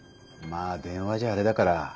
まあ電話じゃあれだから。